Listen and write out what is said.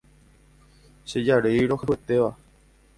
Che jarýi rohayhuetéva